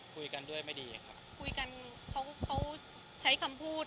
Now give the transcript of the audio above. คุยกันเขาใช้คำพูด